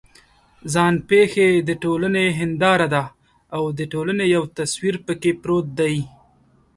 ځان پېښې د ټولنې هنداره ده او د ټولنې یو تصویر پکې پروت دی.